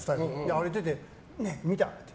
歩いてて、見た？って。